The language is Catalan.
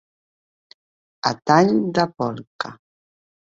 A tall de polca.